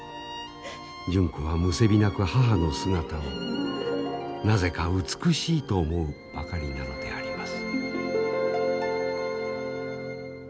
純子はむせび泣く母の姿をなぜか美しいと思うばかりなのであります。